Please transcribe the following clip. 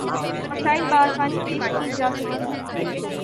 مثالیں باآسانی پیش کی جا سکتی ہیں